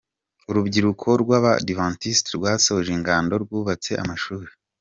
Urubyiruko rw’Abadiventisiti rwasoje ingando rwubatse amashuri